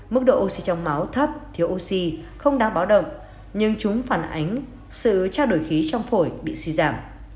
mức độ oxy trong máu thấp thiếu oxy không đáng báo động nhưng chúng phản ánh sự trao đổi khí trong phổi bị suy giảm